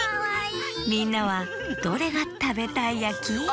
みんなはどれがたべたいやき？